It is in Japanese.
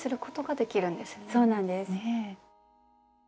そうなんです。